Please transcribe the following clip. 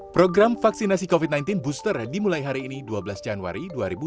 program vaksinasi covid sembilan belas booster dimulai hari ini dua belas januari dua ribu dua puluh